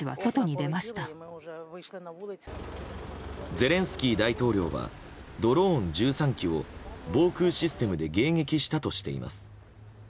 ゼレンスキー大統領はドローン１３機を防空システムで迎撃したとしています。